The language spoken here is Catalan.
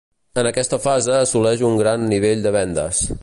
En aquesta fase assoleix un gran nivell de vendes.